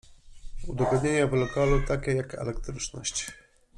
Udogodnienia w lokalu takie jak elektryczność.